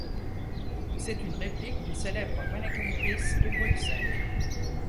C'est une réplique du célèbre Manneken-Pis de Bruxelles.